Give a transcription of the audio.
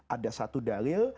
ada satu dalil